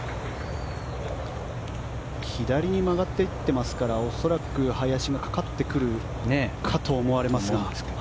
左に曲がっていってますから恐らく林にかかってくるかと思われますが。